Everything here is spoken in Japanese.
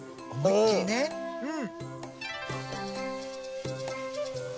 うん。